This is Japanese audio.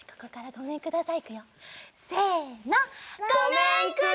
ごめんください！